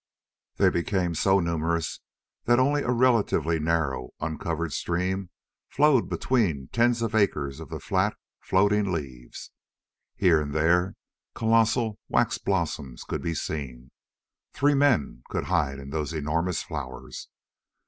They became so numerous that only a relatively narrow, uncovered stream flowed between tens of acres of the flat, floating leaves. Here and there colossal waxen blossoms could be seen. Three men could hide in those enormous flowers.